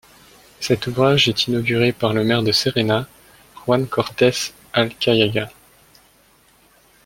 Cet ouvrage est inauguré par le maire de Serena, Juan Cortés Alcayaga.